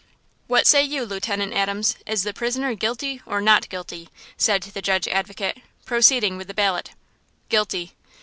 "What say you, Lieutenant Adams–is the prisoner guilty or not guilty?" said the Judge Advocate, proceeding with the ballot. "Guilty!"